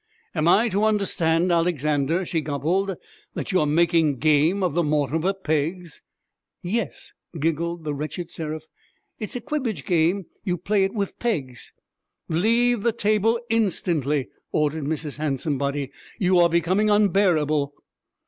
'Am I to understand, Alexander,' she gobbled, 'that you are making game of the Mortimer Peggs?' 'Yes,' giggled the wretched Seraph, 'it's a cwibbage game. You play it wiv Peggs.' 'Leave the table instantly!' ordered Mrs. Handsomebody. 'You are becoming unbearable.'